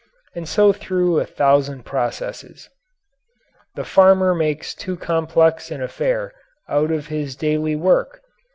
And so through a thousand processes. The farmer makes too complex an affair out of his daily work.